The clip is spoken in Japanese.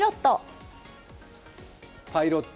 パイロット。